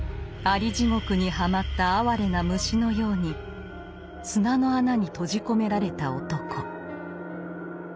アリ地獄にはまった哀れな虫のように砂の穴にとじこめられた男。